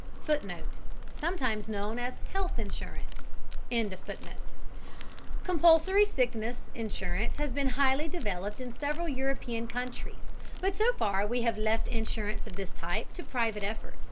[Footnote: Sometimes known as health insurance.] Compulsory sickness insurance has been highly developed in several European countries, but so far we have left insurance of this type to private effort.